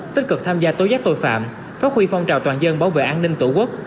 tích cực tham gia tối giác tội phạm phát huy phong trào toàn dân bảo vệ an ninh tổ quốc